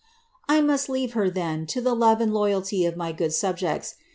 ^ I must leave her, then, to the love and lo3ralty of my good subjects.